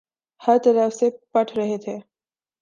ہر طرف سے پٹ رہے تھے۔